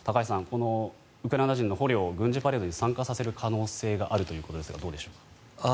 このウクライナ人の捕虜を軍事パレードに参加させる可能性があるということですがどうでしょうか。